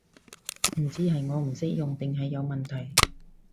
唔知係我唔識用定係有問題